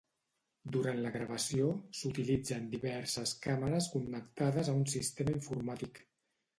Durant la gravació, s'utilitzen diverses càmeres connectades a un sistema informàtic.